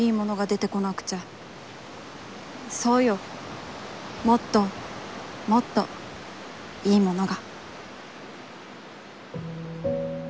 「そうよ、もっともっと、いいものが」